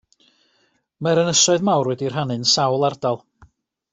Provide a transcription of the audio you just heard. Mae'r ynysoedd mawr wedi'u rhannu'n sawl ardal.